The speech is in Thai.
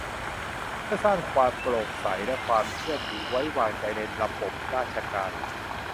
เพื่อสร้างความโปร่งใสและความเชื่อถือไว้วางใจในระบบราชการ